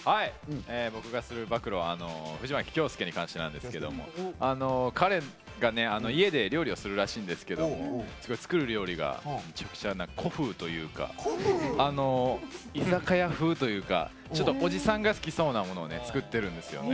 僕がする暴露は藤牧京介に関してなんですけど彼が家で料理するらしいんですけどすごい作る料理がめちゃくちゃ古風というか居酒屋風というかちょっと、おじさんが好きそうなものを作ってるんですよね。